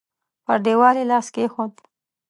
پر دېوال يې لاس کېښود.